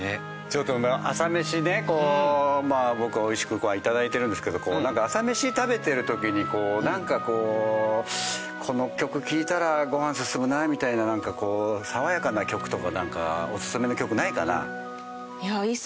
ちょっと朝メシね僕美味しくご飯頂いてるんですけどなんか朝メシ食べてる時になんかこうこの曲聴いたらご飯進むなみたいななんか爽やかな曲とかおすすめの曲ないかな？